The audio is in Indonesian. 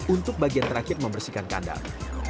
untuk bagian terakhir membersihkan kandang